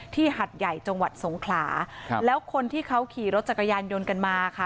หัดใหญ่จังหวัดสงขลาครับแล้วคนที่เขาขี่รถจักรยานยนต์กันมาค่ะ